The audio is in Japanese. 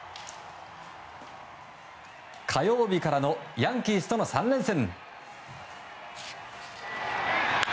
火曜日からのヤンキースとの３連戦。